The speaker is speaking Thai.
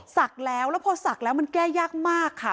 สักแล้วแล้วพอสักแล้วมันแก้ยากมากค่ะ